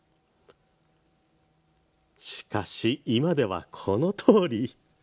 しかし、今ではこのとおり。